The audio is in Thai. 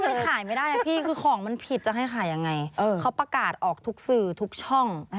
คือขายไม่ได้อ่ะพี่คือของมันผิดจะให้ขายยังไงเขาประกาศออกทุกสื่อทุกช่อง